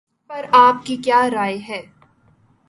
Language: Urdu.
اس پر آپ کی کیا رائے ہے؟